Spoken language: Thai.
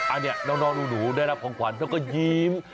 อันนี้น้องหนูได้รับของขวัญแล้วก็ยิ้ม